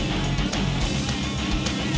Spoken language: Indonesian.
mereka ngatain kita bang